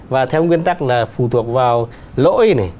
và theo nguyên tắc là phụ thuộc vào lỗi này